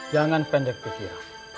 jangan pendek pikiran